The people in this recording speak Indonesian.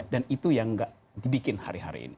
dan itu yang nggak dibikin hari hari ini